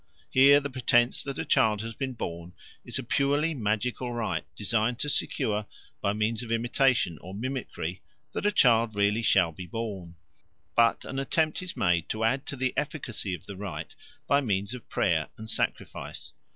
Here the pretence that a child has been born is a purely magical rite designed to secure, by means of imitation or mimicry, that a child really shall be born; but an attempt is made to add to the efficacy of the rite by means of prayer and sacrifice.